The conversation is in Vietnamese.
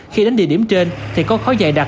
khi đến địa điểm trên thì có khói dài đặc